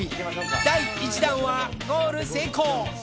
第１弾はゴール成功。